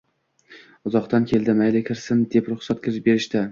Uzoqdan keldi, mayli, kirsin, deb ruhsat berishdi.